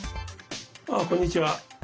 ああこんにちは。